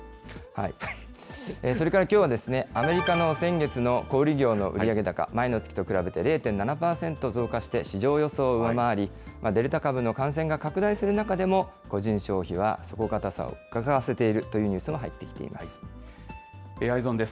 それからきょうは、アメリカの先月の小売り業の売上高、前の月と比べて０．７％増加して、市場予想を上回り、デルタ株の感染が拡大する中でも、個人消費は底堅さをうかがわせているというニＥｙｅｓｏｎです。